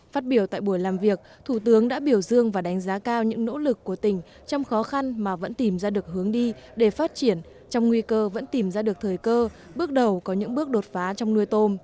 phát biểu tại buổi làm việc thủ tướng đã biểu dương và đánh giá cao những nỗ lực của tỉnh trong khó khăn mà vẫn tìm ra được hướng đi để phát triển trong nguy cơ vẫn tìm ra được thời cơ bước đầu có những bước đột phá trong nuôi tôm